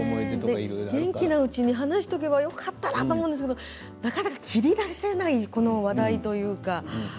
元気なうちに話しておけばよかったなと思うんですけれど切り出せない話題というか。